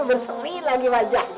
bersui lagi wajahnya